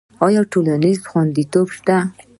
آیا ټولنیز خوندیتوب شته؟